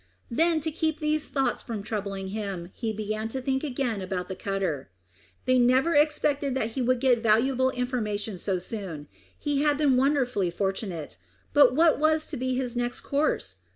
Then to keep these thoughts from troubling him, he began to think again about the cutter. They never expected that he would get valuable information so soon. He had been wonderfully fortunate, but what was to be his next course?